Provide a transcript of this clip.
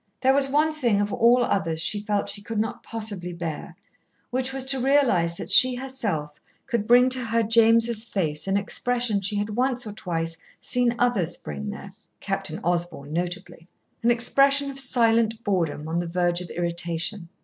There was one thing of all others she felt she could not possibly bear, which was to realise that she herself could bring to her James's face an expression she had once or twice seen others bring there (Captain Osborn notably), an expression of silent boredom on the verge of irritation.